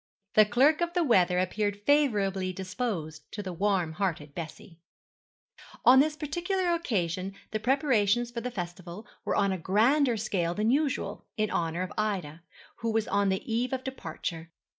The clerk of the weather appeared favourably disposed to the warm hearted Bessie. On this particular occasion the preparations for the festival were on a grander scale than usual, in honour of Ida, who was on the eve of departure.